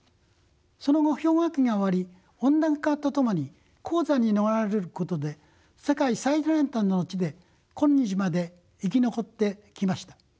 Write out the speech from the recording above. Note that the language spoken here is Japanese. その後氷河期が終わり温暖化とともに高山に逃れることで世界の最南端の地で今日まで生き残ってきました。